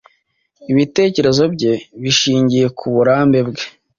Ibitekerezo bye bishingiye kuburambe bwe.